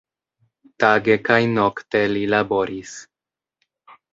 Tage kaj nokte li laboris.